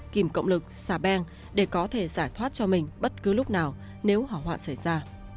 kìm cộng lực xà beng để có thể giải thoát cho mình bất cứ lúc nào nếu hỏa hoạn xảy ra